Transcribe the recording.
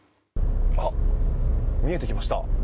見えてきました。